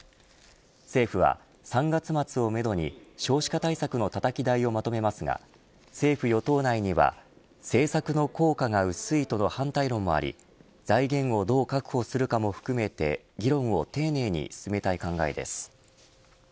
政府は、３月末をめどに少子化対策のたたき台をまとめますが政府与党内には政策の効果が薄いとの反対論もあり財源をどう確保するかも含めて議論を丁寧に進めたい考えです。